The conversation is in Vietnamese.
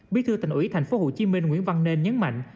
bí thư thành ủy thành phố hồ chí minh nguyễn văn nên nhấn mạnh